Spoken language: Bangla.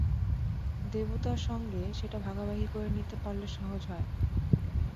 দেবতার সঙ্গে সেটা ভাগাভাগি করে নিতে পারলে সহজ হয়।